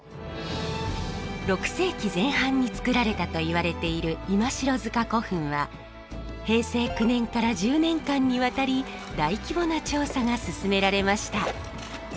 ６世紀前半に造られたと言われている今城塚古墳は平成９年から１０年間にわたり大規模な調査が進められました。